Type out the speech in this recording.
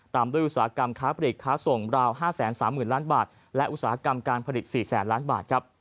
ตามด้วยอุตสาหกรรมค้าผลิตค้าส่งราว๕๓๐๐๐ล้านบาทและอุตสาหกรรมการผลิต๔๐๐๐ล้านบาทครับ